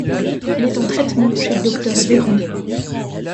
Elle est en traitement chez le docteur Véron.